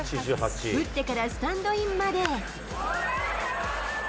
打ってからスタンドインまで。